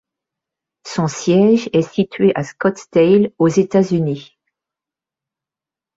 Son siège est situé à Scottsdale, aux États-Unis.